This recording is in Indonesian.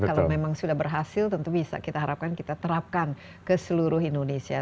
kalau memang sudah berhasil tentu bisa kita harapkan kita terapkan ke seluruh indonesia